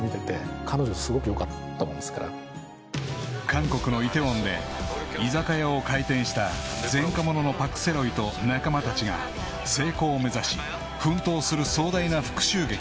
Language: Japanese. ［韓国の梨泰院で居酒屋を開店した前科者のパク・セロイと仲間たちが成功を目指し奮闘する壮大な復讐劇］